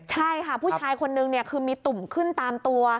ใช่ค่ะผู้ชายคนนึงเนี่ยคือมีตุ่มขึ้นตามตัว